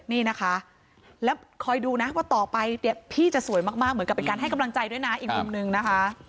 นี่นะคะแล้วคอยดูนะว่าต่อไปเนี่ยพี่จะสวยมากเหมือนกับเป็นการให้กำลังใจด้วยนะอีกมุมนึงนะคะ